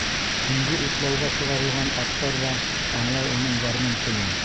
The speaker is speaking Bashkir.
Төнгө утлауға сығарылған аттар ҙа аңлай уның гармун телен.